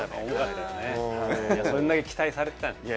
それだけ期待されてたんです。